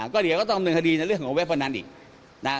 ก็เดี๋ยวก็ต้องดำเนินคดีในเรื่องของเว็บพนันอีกนะครับ